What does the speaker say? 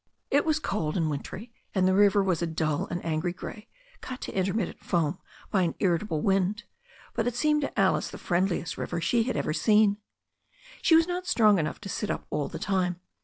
It was cold and wintry, and the river was a dull and angry grey, cut to intermittent foam by an irritable wind, but it seemed to Alice the friendliest river she had ever seen. She was not strong enough to sit up all the time.